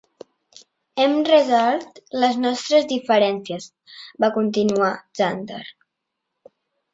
"Hem resolt les nostres diferències", va continuar Zander.